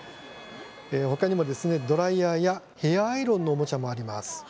ほかにもドライヤーやヘアアイロンのおもちゃもあります。